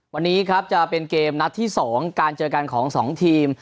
วันนี้ครับจะเป็นเกมนัดที่๒การเจอกันของ๒ทีม